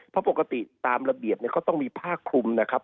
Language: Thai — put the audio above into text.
เพราะปกติตามระเบียบเนี่ยเขาต้องมีผ้าคลุมนะครับ